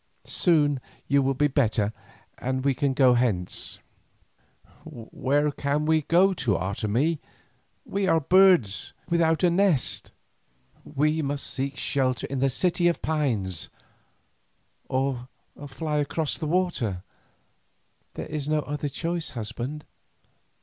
Soon you will be better and we can go hence." "Where can we go to, Otomie? We are birds without a nest." "We must seek shelter in the City of Pines, or fly across the water; there is no other choice, husband."